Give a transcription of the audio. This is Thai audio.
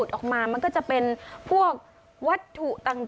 ต้องใช้ใจฟัง